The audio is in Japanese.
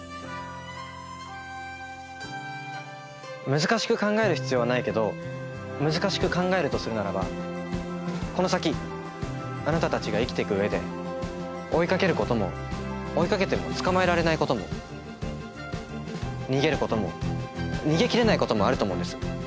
難しく考える必要はないけど難しく考えるとするならばこの先あなたたちが生きていく上で追い掛けることも追い掛けてもつかまえられないことも逃げることも逃げ切れないこともあると思うんです。